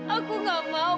aku nggak mau